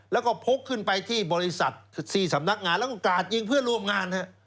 แล้วก็พกขึ้นไปที่บริษัท๔สำนักงานแล้วก็กราดยิงเพื่อนร่วมงาน